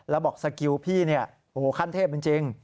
แล้วบอกสกิลพี่เนี่ยโอ้โหขั้นเทพจริง